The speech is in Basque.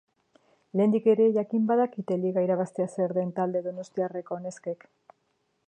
Lehendik ere jakin badakite liga irabaztea zer den talde donostiarreko neskek.